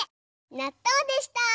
なっとうでした！